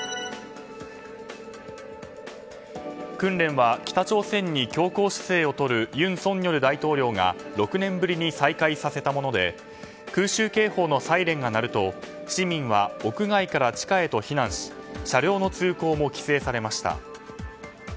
訓練は北朝鮮に強硬姿勢をとる尹錫悦大統領が６年ぶりに再開させたもので空襲警報のサイレンが鳴ると市民は屋外から地下へと避難し車両の通行も規制されました。